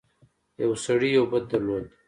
یو سړي یو بت درلود.